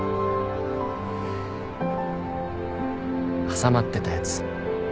挟まってたやつ。